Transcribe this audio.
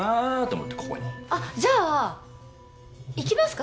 じゃあ行きますか？